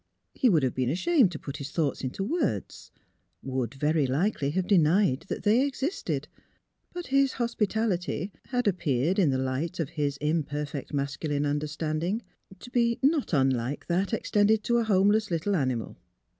He would have been ashamed to i^ut his thoughts into words — would, very likely, have denied that they existed ; but his hospitality had appeared, in the light of his imperfect masculine understanding, to be not unlike that extended to a homeless little animal.